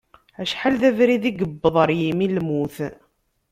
Acḥal d abrid i yewweḍ ɣer yimi n lmut.